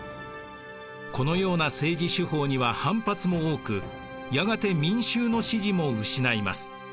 このような政治手法には反発も多くやがて民衆の支持も失います。